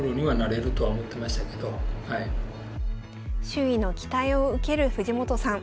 周囲の期待を受ける藤本さん